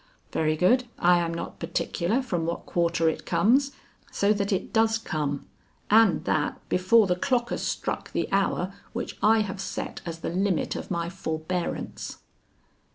Very good, I am not particular from what quarter it comes, so that it does come and that before the clock has struck the hour which I have set as the limit of my forbearance."